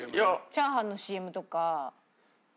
チャーハンのＣＭとか。